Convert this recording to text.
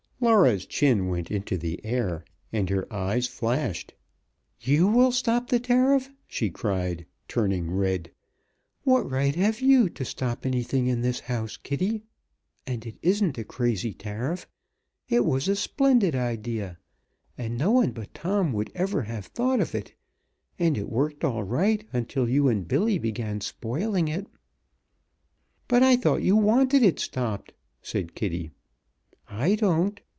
Laura's chin went into the air and her eyes flashed. "You will stop the tariff!" she cried, turning red. "What right have you to stop anything in this house, Kitty? And it isn't a crazy tariff. It was a splendid idea, and no one but Tom would ever have thought of it, and it worked all right until you and Billy began spoiling it!" "But I thought you wanted it stopped," said Kitty. "I don't!"